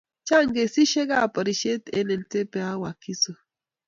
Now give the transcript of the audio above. Chang kesishek ab porishet en entebbe ak wakiso